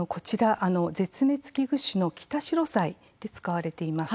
絶滅危惧種のキタシロサイで使われています。